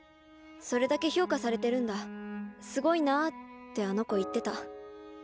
「それだけ評価されてるんだすごいなあ」ってあの子言ってた。